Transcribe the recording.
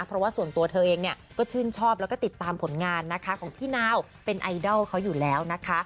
เพราะว่าส่วนตัวเธอเองเนี่ยก็ชื่นชอบแล้วก็ติดตามผลงานนะคะของพี่นาวเป็นไอดอลเขาอยู่แล้วนะคะ